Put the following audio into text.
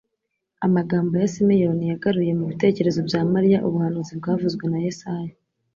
Amagambo ya Simeyoni yagaruye mu bitekerezo bya Mariya ubuhanuzi bwavuzwe na Yesaya